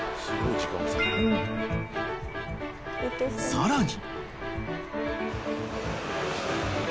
［さらに］